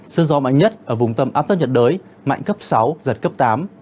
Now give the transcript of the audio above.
sự gió mạnh nhất ở vùng tầm áp thấp nhiệt đới mạnh cấp sáu giật cấp tám